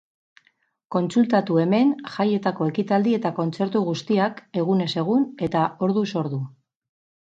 Kontsultatu hemen jaietako ekitaldi eta kontzertu guztiak, egunez egun eta orduz ordu.